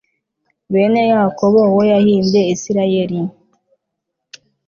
bene yakobo uwo yahimbye isirayeli